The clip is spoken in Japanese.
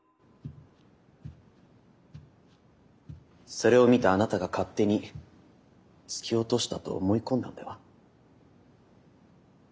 それを見たあなたが勝手に突き落としたと思い込んだのでは？